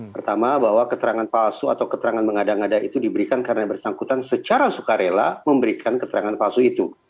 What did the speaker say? pertama bahwa keterangan palsu atau keterangan mengada ngada itu diberikan karena yang bersangkutan secara sukarela memberikan keterangan palsu itu